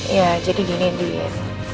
ya jadi gini dien